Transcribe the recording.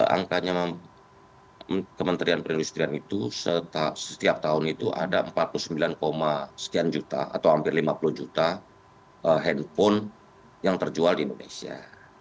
angkanya kementerian perindustrian itu setiap tahun itu ada empat puluh sembilan sekian juta atau hampir lima puluh juta handphone yang terjual di indonesia